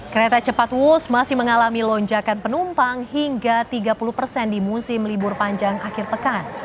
kereta cepat wus masih mengalami lonjakan penumpang hingga tiga puluh persen di musim libur panjang akhir pekan